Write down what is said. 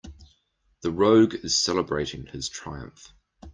The rogue is celebrating his triumph.